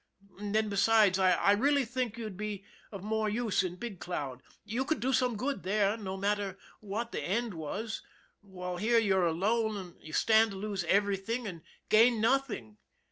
Then besides, I really think you'd be of more use in Big Cloud. You could do some good there no matter what the end was, while here you're alone and you stand to lose everything and gain nothing.